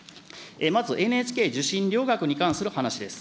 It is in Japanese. まず、ＮＨＫ受信料額に関する話です。